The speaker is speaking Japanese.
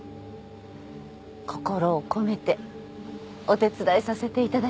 心を込めてお手伝いさせていただきます。